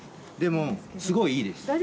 でもすごくいいです。